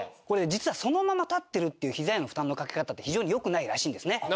これね実はそのまま立ってるっていうひざへの負担のかけ方って非常に良くないらしいんですね。